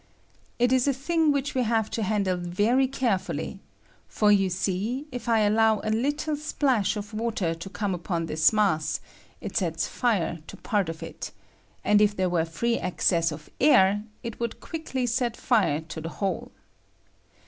It is a thing which we have to handle very carefully ; for you see, if I allow a little splash of water to come upon this mass, it sets Are to part of it ; and if there were free access of air, it would quickly set fire to the whole.